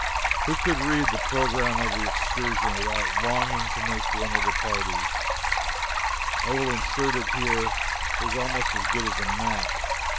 Who could read the program of the excursion without longing to make one of the party? I will insert it here. It is almost as good as a map.